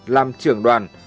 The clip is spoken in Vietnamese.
làm trưởng đoàn